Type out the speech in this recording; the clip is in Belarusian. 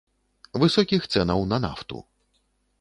Высокіх цэнаў на нафту.